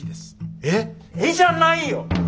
「えっ！？」じゃないよ！